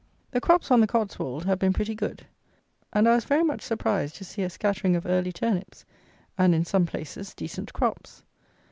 The crops on the Cotswold have been pretty good; and I was very much surprised to see a scattering of early turnips, and, in some places, decent crops.